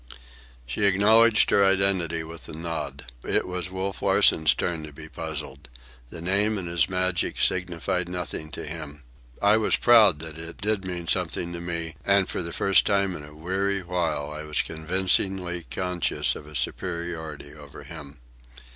She acknowledged her identity with a nod. It was Wolf Larsen's turn to be puzzled. The name and its magic signified nothing to him. I was proud that it did mean something to me, and for the first time in a weary while I was convincingly conscious of a superiority over him.